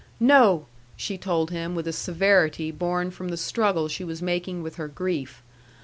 "No!" she told him with a severity born from the struggle she was making with her grief.